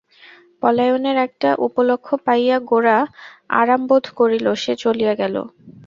পলায়নের একটা উপলক্ষ পাইয়া গোরা আরাম বোধ করিল, সে চলিয়া গেল।